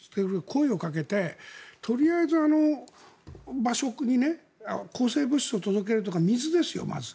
声をかけてとりあえず場所に抗生物質を届けるとか水ですよ、まず。